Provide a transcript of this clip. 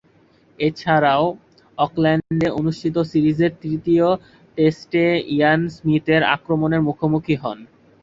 এছাড়াও, অকল্যান্ডে অনুষ্ঠিত সিরিজের তৃতীয় টেস্টে ইয়ান স্মিথের আক্রমণের মুখোমুখি হন।